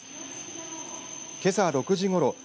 けさ６時ごろ